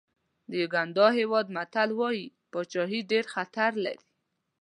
د یوګانډا هېواد متل وایي پاچاهي ډېر خطر لري.